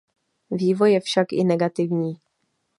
Vývoj je však i negativní.